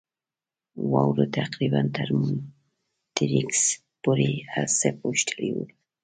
واورو تقریباً تر مونیټریکس پورې هر څه پوښلي ول.